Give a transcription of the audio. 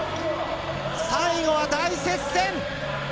最後は大接戦！